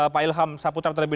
pak ilham saputra